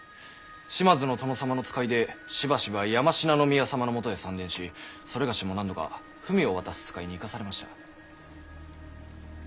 島津の殿様の使いでしばしば山階宮様のもとへ参殿し某も何度か文を渡す使いに行かされました。